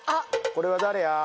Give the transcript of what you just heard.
これは誰や？